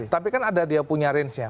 tapi kan ada dia punya rangenya